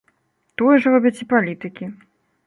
Тое ж робяць і палітыкі.